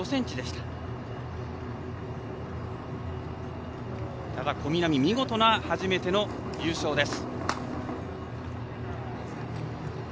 ただ小南、見事な初めての優勝です。